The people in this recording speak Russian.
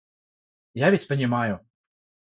Я ведь понимаю.